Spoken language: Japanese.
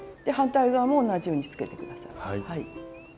反対側も同じようにつけて下さい。